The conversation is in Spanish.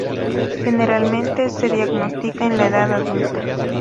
Generalmente se diagnostica en la edad adulta.